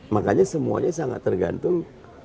makanya semuanya sangat tergantung